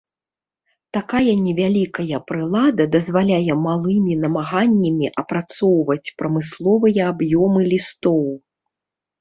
Такая невялікая прылада дазваляе малымі намаганнямі апрацоўваць прамысловыя аб'ёмы лістоў.